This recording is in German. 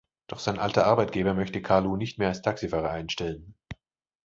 Doch sein alter Arbeitgeber möchte Kalu nicht mehr als Taxifahrer einstellen.